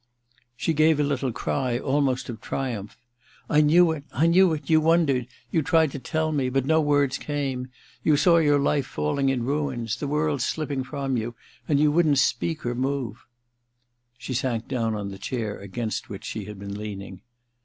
She gave a little cry, almost of triumph. * I knew it! I knew it! You wondered — you tried to tell me — but no words came. ... You saw your life falling in ruins ... the world slipping from you ... and you couldn't speak or move I ' She sank down on the chair against which she had been leaning.